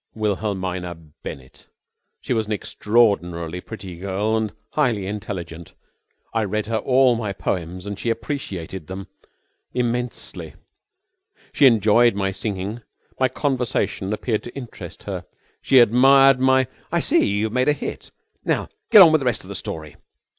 "Wilhelmina Bennett. She was an extraordinarily pretty girl and highly intelligent. I read her all my poems and she appreciated them immensely. She enjoyed my singing. My conversation appeared to interest her. She admired my...." "I see. You made a hit. Now get on with the rest of the story."